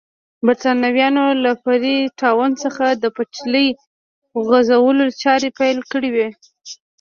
برېټانویانو له فري ټاون څخه د پټلۍ غځولو چارې پیل کړې وې.